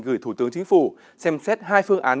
gửi thủ tướng chính phủ xem xét hai phương án